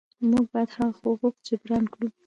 موږ باید هغه حقوق جبران کړو.